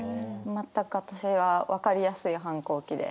全く私は分かりやすい反抗期で。